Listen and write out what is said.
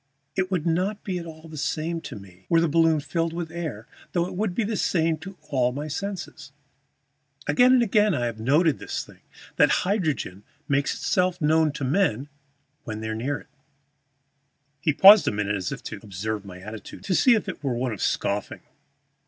It would not be at all the same to me were the balloon filled with air, though it would be the same to all my senses. Again and again I have noted this thing, that hydrogen makes itself known to men when they are near it." He paused a moment as if to observe my attitude, to see if it were one of scoffing.